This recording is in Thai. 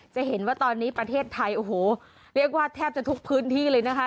จะเห็นว่าตอนนี้ประเทศไทยโอ้โหเรียกว่าแทบจะทุกพื้นที่เลยนะคะ